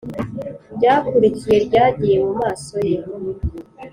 ryakurikiye ryagiye mumaso ye.